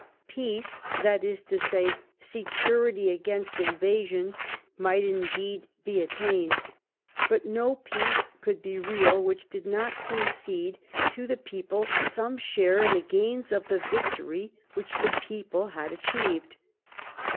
Peace, that is to say, security against invasion, might indeed be attained ; but no peace could be real which did not concede to the people some share in the gains of the victory which the ]jeople had achieved.